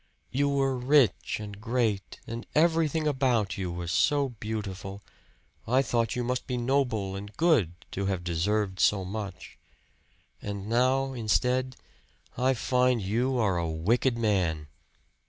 You were rich and great, and everything about you was so beautiful I thought you must be noble and good, to have deserved so much. And now, instead, I find you are a wicked man!"